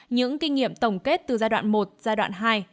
những kinh nghiệm tổng kết từ giai đoạn một giai đoạn hai